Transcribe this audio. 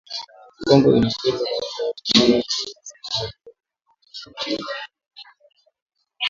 Kongo inaongeza zaidi ya watu milioni tisini katika Jumuiya ya Afrika Mashariki yenye watu milioni Mia Moja sabini na saba .